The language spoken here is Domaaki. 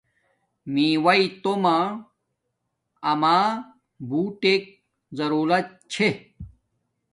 میواݵݵ تومہ امیے بوٹنݣ ضرولت چھے